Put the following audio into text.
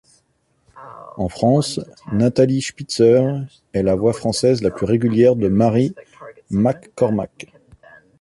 En France, Nathalie Spitzer est la voix française la plus régulière de Mary McCormack.